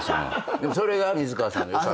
でもそれが水川さんの良さ。